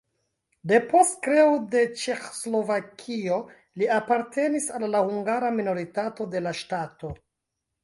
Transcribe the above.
Depost kreo de Ĉeĥoslovakio li apartenis al la hungara minoritato de la ŝtato.